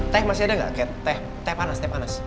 teh masih ada gak teh panas teh panas